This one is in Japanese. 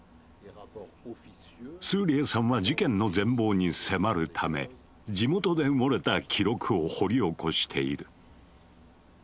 スーリエさんは事件の全貌に迫るため地元で埋もれた記録を掘り起こしている。